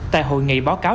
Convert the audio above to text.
tại hội nghị báo cáo